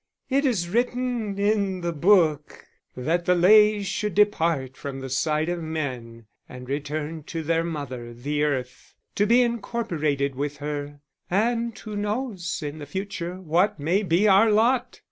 It is written in the book that the Leys should depart from the sight of men, and return to their mother the earth, to be incorporated with her; and who knows in the future what may be our lot!